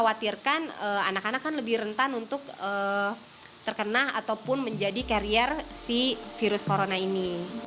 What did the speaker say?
anak anak kan lebih rentan untuk terkena ataupun menjadi karier si virus corona ini